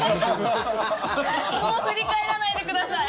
もう振り返らないでください。